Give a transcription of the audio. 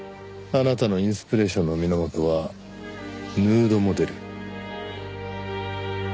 あなたのインスピレーションの源はヌードモデル。